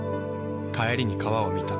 帰りに川を見た。